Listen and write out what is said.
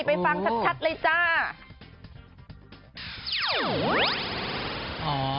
ไปฟังชัดเลยจ้า